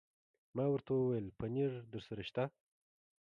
ما ورته وویل: پنیر درسره شته؟